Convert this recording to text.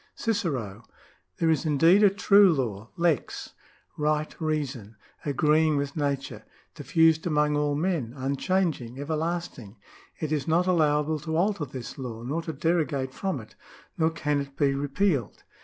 2 Cicero. —" There is indeed a true law {lex), right reason, agreeing with nature, diffused among all men, unchanging, everlasting. ... It is not allowable to alter this law, nor to derogate from it. nor can it be repealed.